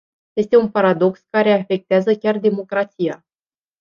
Este un paradox care afectează chiar democrația.